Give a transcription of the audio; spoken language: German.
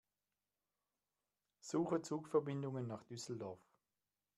Suche Zugverbindungen nach Düsseldorf.